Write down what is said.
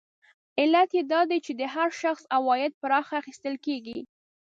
علت یې دا دی چې د هر شخص عواید پراخه اخیستل کېږي